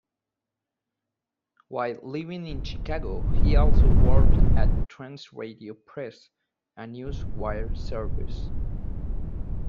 While living in Chicago he also worked at Trans-Radio Press, a news wire service.